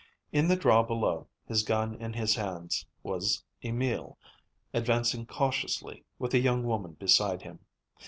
In the draw below, his gun in his hands, was Emil, advancing cautiously, with a young woman beside him.